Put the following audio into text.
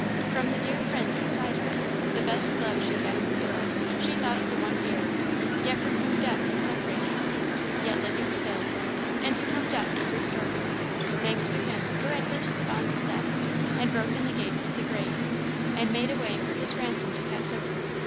From the dear friends beside her, the best loved she had in the world, she thought of the one dearer, yet from whom death had separated her; yet living still and to whom death would restore her, thanks to Him who had burst the bonds of death, and broken the gates of the grave, and made a way for his ransomed to pass over.